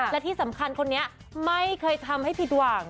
และที่สำคัญคนนี้ไม่เคยทำให้ผิดหวัง